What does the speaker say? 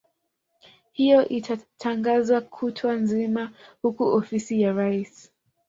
hiyo itatangazwa kutwa nzima huku ofisi ya rais